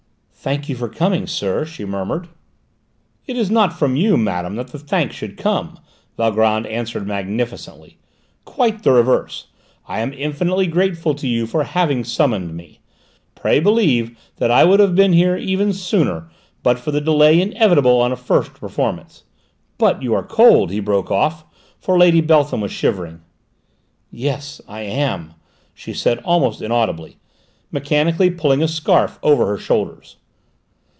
"Thank you for coming, sir," she murmured. "It is not from you, madame, that the thanks should come," Valgrand answered magnificently; "quite the reverse; I am infinitely grateful to you for having summoned me. Pray believe that I would have been here even sooner but for the delay inevitable on a first performance. But you are cold," he broke off, for Lady Beltham was shivering. "Yes, I am," she said almost inaudibly, mechanically pulling a scarf over her shoulders.